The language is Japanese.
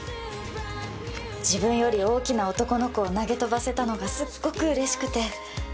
自分より大きな男の子を投げ飛ばせたのがすっごくうれしくて。